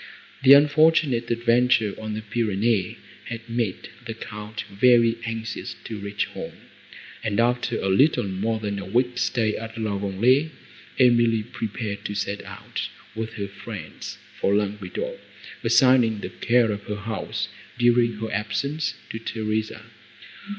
The unfortunate adventure on the Pyrenees had made the Count very anxious to reach home, and, after little more than a week's stay at La Vallée, Emily prepared to set out with her friends for Languedoc, assigning the care of her house, during her absence, to Theresa.